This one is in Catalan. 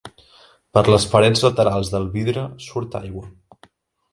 Per les parets laterals del vidre surt aigua.